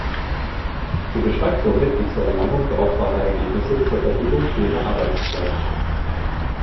Sie beschreibt somit die zur Erlangung brauchbarer Ergebnisse zur Verfügung stehende Arbeitszeit.